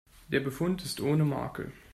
Der Befund ist ohne Makel.